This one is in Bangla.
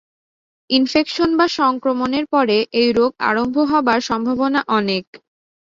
ইনফেকশন বা সংক্রমণের পরে এই রোগ আরম্ভ হবার সম্ভাবনা অনেক।